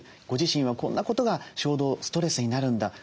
ご自身はこんなことが衝動ストレスになるんだ